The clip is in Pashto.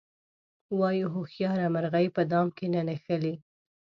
وایي هوښیاره مرغۍ په دام کې نه نښلي.